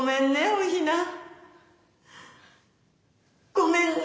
ごめんね。